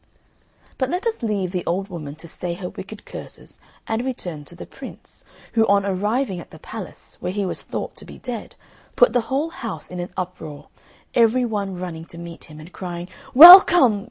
But let us leave the old woman to say her wicked curses and return to the Prince, who on arriving at the palace, where he was thought to be dead, put the whole house in an uproar, every one running to meet him and crying, "Welcome!